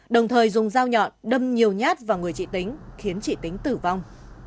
đồng thời dùng dao nhọn đâm nhiều nhát vào người chị tính khiến chị tính tử vong